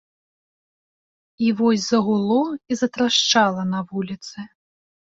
І вось загуло і затрашчала на вуліцы.